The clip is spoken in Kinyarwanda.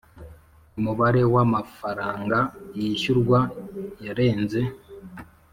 ku mubare wamafaranga yishyurwa yarenze